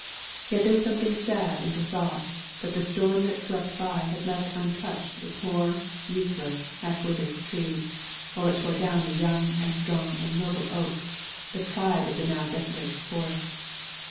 Yet there was something sad in the thought that the storm that swept by had left untouched the poor, useless, half withered tree, while it tore down the young and strong and noble oaks, the pride of the now desolated forest.